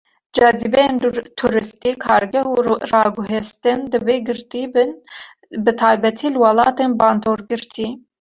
Cazîbeyên tûrîstî, kargeh, û raguhestin dibe girtî bin, bi taybetî li welatên bandorgirtî.